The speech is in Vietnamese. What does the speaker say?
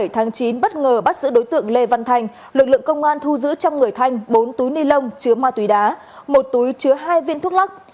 một mươi tháng chín bất ngờ bắt giữ đối tượng lê văn thành lực lượng công an thu giữ trong người thanh bốn túi ni lông chứa ma túy đá một túi chứa hai viên thuốc lắc